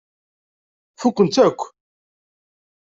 Fukkent-tt akk.